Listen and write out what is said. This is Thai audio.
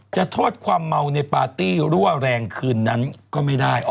โทษความเมาในปาร์ตี้รั่วแรงคืนนั้นก็ไม่ได้